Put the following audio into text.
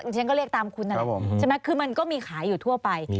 ฉันก็เรียกตามคุณนั่นแหละใช่ไหมคือมันก็มีขายอยู่ทั่วไป